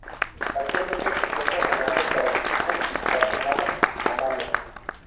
Actualmente se encuentra jugando para el equipo tucumano, Amalia.